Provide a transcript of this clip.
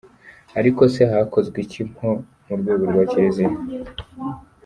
Ariko se hakozwe iki nko mu rwego rwa Kiliziya ?